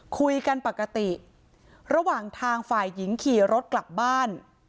คุยกันปกติระหว่างทางฝ่ายหญิงขี่รถกลับบ้าน